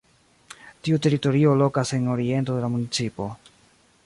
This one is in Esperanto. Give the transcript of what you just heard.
Tiu teritorio lokas en oriento de la municipo.